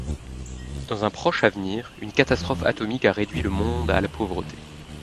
Dans un proche avenir, une catastrophe atomique a réduit le monde à la pauvreté.